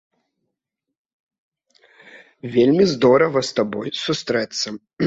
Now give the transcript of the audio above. Вельмі здорава з табой сустрэцца.